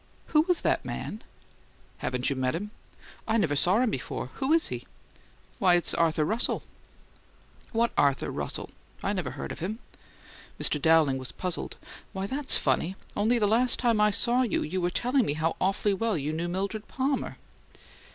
"Who was that man?" "Haven't you met him?" "I never saw him before. Who is he?" "Why, it's this Arthur Russell." "What Arthur Russell? I never heard of him." Mr. Dowling was puzzled. "Why, THAT'S funny! Only the last time I saw you, you were telling me how awfully well you knew Mildred Palmer."